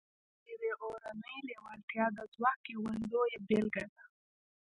دا د يوې اورنۍ لېوالتیا د ځواک يوه لويه بېلګه ده.